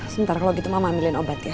sebentar kalau gitu mama ambilin obat ya